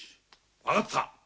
わかった。